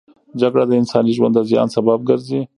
جګړه د انساني ژوند د زیان سبب ګرځي.